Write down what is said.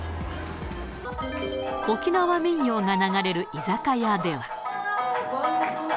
沖縄民謡が流れる居酒屋では。